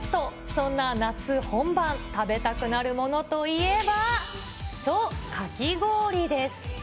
そんな夏本番、食べたくなるものといえば、そう、かき氷です。